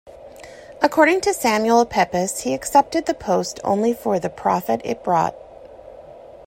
According to Samuel Pepys, he accepted the post only for the profit it brought.